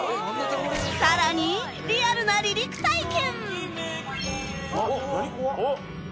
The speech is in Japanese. さらにリアルな離陸体験！